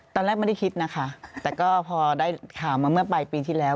ตอนแรกไม่ได้คิดนะคะแต่ก็พอได้ข่าวมาเมื่อปลายปีที่แล้ว